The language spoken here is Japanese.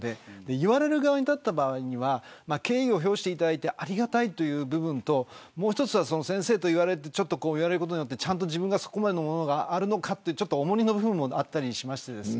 言われる側に立った場合には敬意を表していただいてありがたいという部分ともう一つは先生と言われることでちゃんと自分がそこまでのものがあるのかと重荷の部分もあったりします。